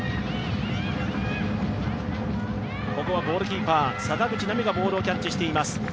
ゴールキーパー、坂口波がボールをキャッチしています。